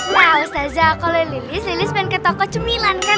nah ustadzah kalau lilis lilis pengen ke toko cemilan kan